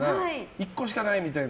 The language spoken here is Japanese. １個しかないみたいな。